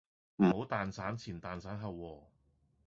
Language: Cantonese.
唔好蛋散前蛋散後喎